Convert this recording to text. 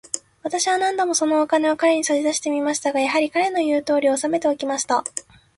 私は何度も、そのお金を彼に差し出してみましたが、やはり、彼の言うとおりに、おさめておきました。